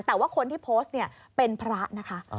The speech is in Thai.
แต่ว่าคนที่โพสต์เนี่ยเป็นพระนะคะ